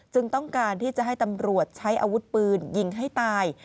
ต้องการที่จะให้ตำรวจใช้อาวุธปืนยิงให้ตาย